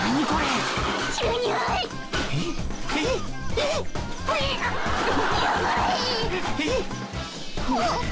えっ？